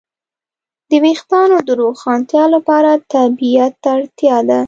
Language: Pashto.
د وېښتیانو د روښانتیا لپاره طبيعت ته اړتیا ده.